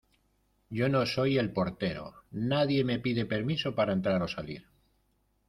yo no soy el portero. nadie me pide permiso para entrar o salir .